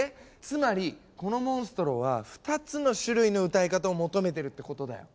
つまりこのモンストロは２つの種類の歌い方を求めてるってことだよ。